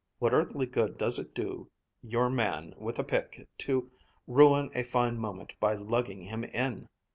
What earthly good does it do your man with a pick to ruin a fine moment by lugging him in!"